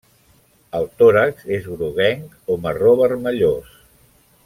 El tòrax és groguenc o marró-vermellós.